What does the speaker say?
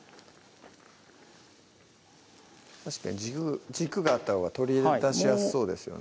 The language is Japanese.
確かに軸があったほうが取り出しやすそうですよね